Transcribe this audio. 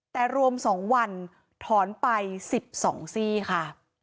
แต่รวม๒วันถอนไป๑๒ซี่ค่ะ